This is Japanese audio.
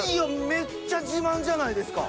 めっちゃ自慢じゃないですか！